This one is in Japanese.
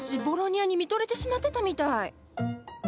ボロニアに見とれてしまってたみたい。